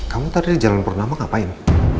kamu tadi di jalan purnama ngapain